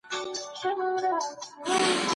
نو شاید هغې هم هېڅ نه وای زده کړي.